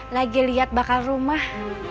lagi liat bakal rumah